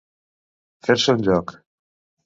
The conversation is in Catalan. Fer-se un lloc.